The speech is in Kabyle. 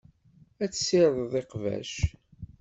Ad tessired iqbac.